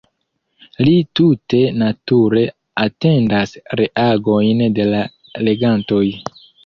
Li tute nature atendas reagojn de la legantoj.